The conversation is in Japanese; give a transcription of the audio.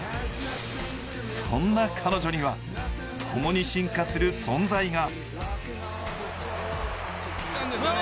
そんな彼女には、ともに進化する存在が。